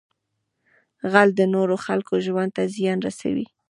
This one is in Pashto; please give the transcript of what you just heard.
غل د نورو خلکو ژوند ته زیان رسوي